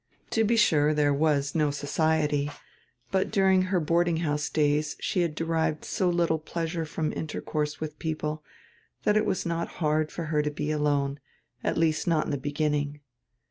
To be sure, there was no society, but during her boarding house days she had derived so little pleasure from intercourse widi people diat it was not hard for her to be alone, at least not in die beginning.